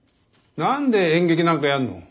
何で演劇なんかやんの？